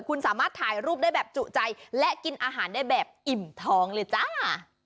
คุณสามารถถ่ายรูปได้แบบจุใจและกินอาหารได้แบบอิ่มท้องเลยจ้า